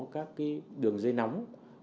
các đường dây nóng